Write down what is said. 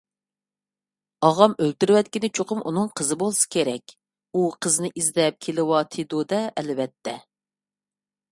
ئاغام ئۆلتۈرۈۋەتكىنى چوقۇم ئۇنىڭ قىزى بولسا كېرەك. ئۇ قىزىنى ئىزدەپ كېلىۋاتىدۇ - دە، ئەلۋەتتە!